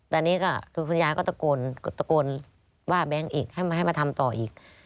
แต่นี่ก็คือคุณยายก็ตะโกนว่าแบงค์อีกให้มาทำต่ออีก